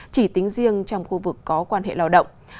chỉ tính riêng trong khu vực có quan hệ lao động